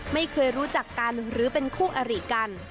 ไม่เคยรู้จักกันหรือเป็นคู่อริกัน